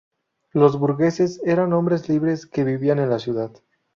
Los Burgueses eran hombres libres que vivían en la ciudad.